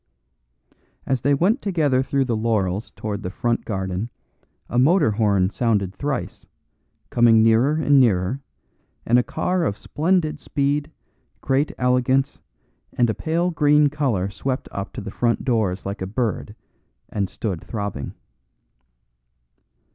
As they went together through the laurels towards the front garden a motor horn sounded thrice, coming nearer and nearer, and a car of splendid speed, great elegance, and a pale green colour swept up to the front doors like a bird and stood throbbing.